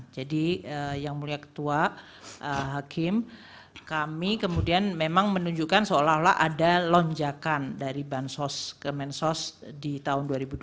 jadi yang mulia ketua hakim kami kemudian memang menunjukkan seolah olah ada lonjakan dari bansos ke kemensos di tahun dua ribu dua puluh empat